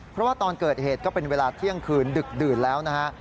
เพราะว่าตอนเกิดเหตุก็เป็นเวลาเที่ยงคืนดึกดื่นแล้วนะฮะ